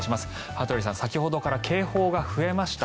羽鳥さん、先ほどから警報が増えました。